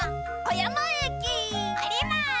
おります！